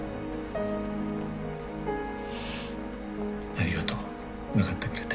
ありがとう分かってくれて。